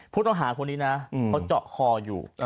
ผู้ต้องหาคนนี้นะเขาเจาะคออยู่